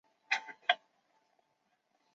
素数定理有些初等证明只需用数论的方法。